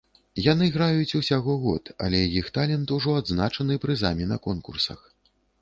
Яны граюць усяго год, але іх талент ужо адзначаны прызамі на конкурсах.